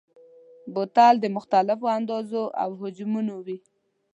بوتل د مختلفو اندازو او حجمونو وي.